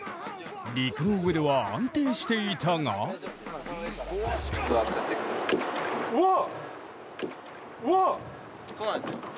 陸の上では安定していたがうわっ！